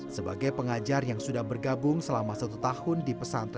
sebagai pengajar yang sudah bergabung selama satu tahun di pesantren